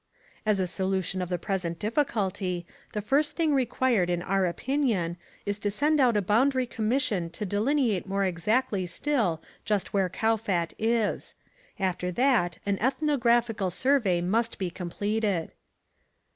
"As a solution of the present difficulty, the first thing required in our opinion is to send out a boundary commission to delineate more exactly still just where Kowfat is. After that an ethnographical survey might be completed."